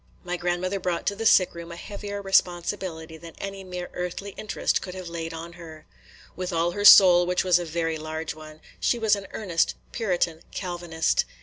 My grandmother brought to the sick room a heavier responsibility than any mere earthly interest could have laid on her. With all her soul, which was a very large one, she was an earnest Puritan Calvinist.